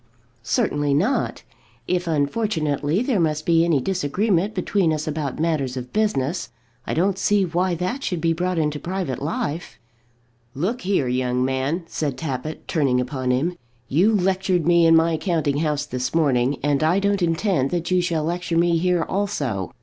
"Certainly not. If, unfortunately, there must be any disagreement between us about matters of business, I don't see why that should be brought into private life." "Look here, young man," said Tappitt, turning upon him. "You lectured me in my counting house this morning, and I don't intend that you shall lecture me here also.